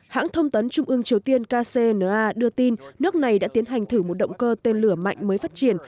hãng thông tấn trung ương triều tiên kcna đưa tin nước này đã tiến hành thử một động cơ tên lửa mạnh mới phát triển